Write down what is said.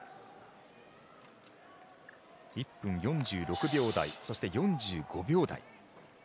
１分４６秒台そして４５秒台。